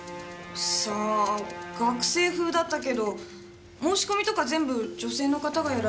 さあ学生ふうだったけど申し込みとか全部女性の方がやられてたので。